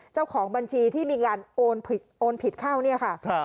เจ้าของบัญชีที่มีการโอนผิดเข้าเนี่ยค่ะ